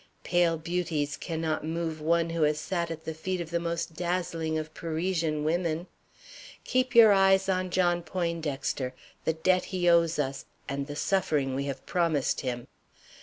Pale beauties cannot move one who has sat at the feet of the most dazzling of Parisian women. Keep your eyes on John Poindexter, the debt he owes us, and the suffering we have promised him.